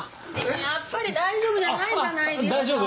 やっぱり大丈夫じゃないじゃないですか。